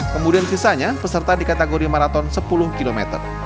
kemudian sisanya peserta di kategori maraton sepuluh km